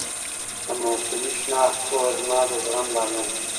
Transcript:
د مفهومي شناخت پوهه زما د زغم لامل ده.